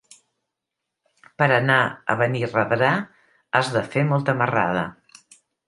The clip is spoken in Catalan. Per anar a Benirredrà has de fer molta marrada.